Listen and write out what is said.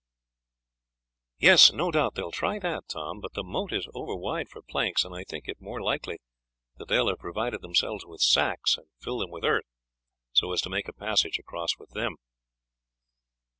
"Yes, no doubt they will try that, Tom; but the moat is over wide for planks, and I think it more likely that they will have provided themselves with sacks, and filled them with earth, so as to make a passage across with them."